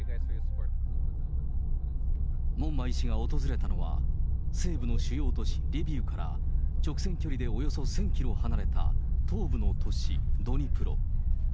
門馬医師が訪れたのは、西部の主要都市リビウから直線距離でおよそ１０００キロ離れた、東部の都市ドニプロ。